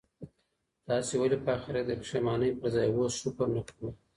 تاسي ولي په اخیرت کي د پښېمانۍ پر ځای اوس شکر نه کوئ؟